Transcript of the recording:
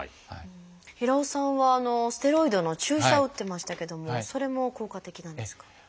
平尾さんはステロイドの注射を打ってましたけどもそれも効果的なんですか？